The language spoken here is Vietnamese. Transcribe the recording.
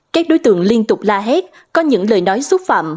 các đối tượng liên tục la hét có những lời nói xúc phạm